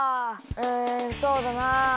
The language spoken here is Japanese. うんそうだな。